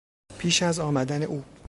پیش از آمدن او